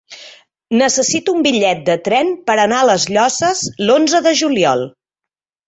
Necessito un bitllet de tren per anar a les Llosses l'onze de juliol.